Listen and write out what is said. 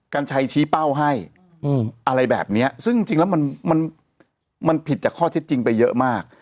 กัญชัยชี้เป้าให้อะไรแบบนี้ซึ่งจริงแล้วมันมันผิดจากข้อเท็จจริงไปเยอะมาก